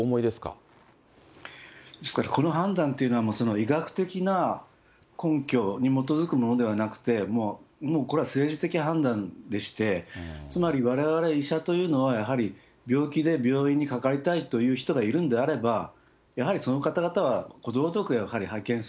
ですから、この判断というのは、医学的な根拠に基づくものではなくて、もうこれは政治的判断でして、つまりわれわれ医者というのは、やはり、病気で病院にかかりたいという人がいるんであれば、